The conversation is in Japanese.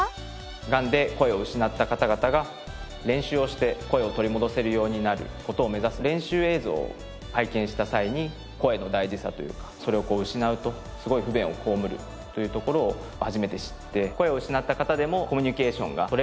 がんで声を失った方々が練習をして声を取り戻せるようになる事を目指す練習映像を拝見した際に声の大事さというかそれを失うとすごい不便を被るというところを初めて知って。